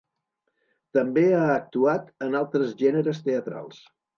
També ha actuat en altres gèneres teatrals.